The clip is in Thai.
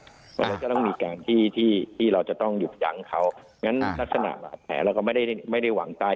เราก็ต้องมีแก่งที่เราจะต้องหยุดยั้งเขางั้นนักศนาแผลเราก็ไม่ได้หวังตาย